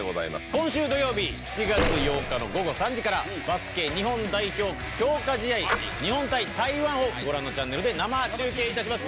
今週土曜日７月８日の午後３時からバスケ日本代表強化試合日本対台湾をご覧のチャンネルで生中継いたします。